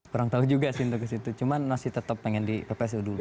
kurang tahu juga sih untuk ke situ cuma masih tetap pengen di ppsu dulu